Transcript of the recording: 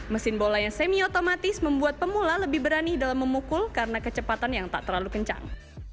mesin bola yang semi otomatis membuat pemula lebih berani dalam memukul karena kecepatan yang tak terlalu kencang